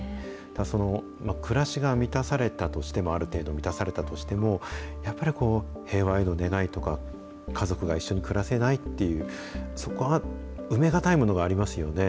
暮らしが満たされたとしても、ある程度満たされたとしても、やっぱり、平和への願いとか、家族が一緒に暮らせないっていう、そこは埋めがたいものがありますよね。